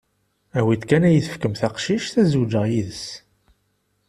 Awi-d kan ad yi-tefkem taqcict, ad zewǧeɣ yid-s.